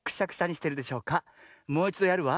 もういちどやるわ。